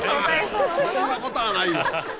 そんなことはないよ！